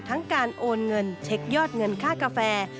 การโอนเงินเช็คยอดเงินค่ากาแฟ